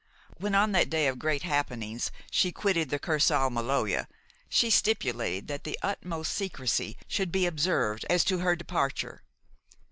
When, on that day of great happenings, she quitted the Kursaal Maloja, she stipulated that the utmost secrecy should be observed as to her departure.